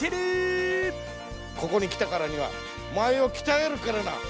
ここに来たからにはお前をきたえるからな。